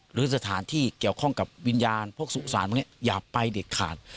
หรือสถานที่เกี่ยวข้องกับวิญญาณพวกสุสานพวกนี้อย่าไปเด็ดขาด